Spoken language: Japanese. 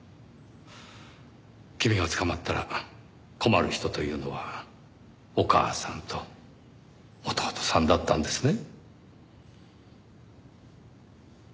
君が捕まったら困る人というのはお母さんと弟さんだったんですね。